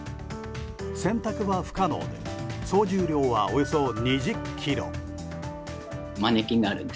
洗濯は不可能で総重量はおよそ２０ｋｇ。